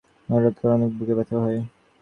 আমার মায়ের হঠাৎ করে অনেক বুকে ব্যথা হয়।